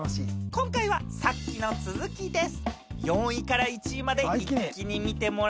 今回はさっきの続きです。